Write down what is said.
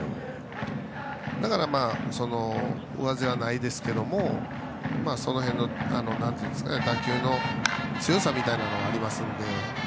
だから、上背はないですけどもその辺の緩急の強さみたいなのがありますので。